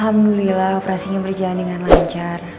alhamdulillah operasinya berjalan dengan lancar